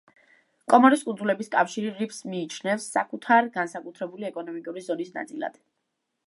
კომორის კუნძულების კავშირი რიფს მიიჩნევს საკუთარი განსაკუთრებული ეკონომიკური ზონის ნაწილად.